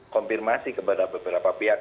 konfirmasi kepada beberapa pihak